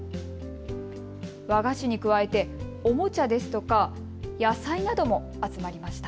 和菓子に加えておもちゃですとか野菜なども集まりました。